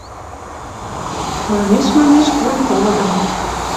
Манеш-манеш, курым колыдымы